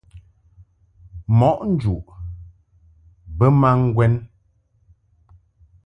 Mɔʼ njuʼ bə ma ŋgwɛn.